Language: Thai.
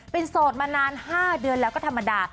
เป็นโสดมานาน๕เดือนแล้วก็ธรรมดา